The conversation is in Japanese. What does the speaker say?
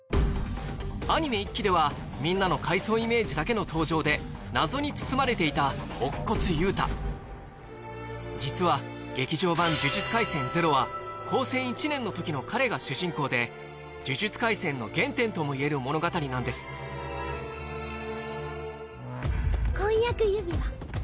アニメ１期ではみんなの回想イメージだけの登場で謎に包まれていた乙骨憂太実は「劇場版呪術廻戦０」は高専１年の時の彼が主人公で「呪術廻戦」の原点とも言える物語なんです婚約指輪。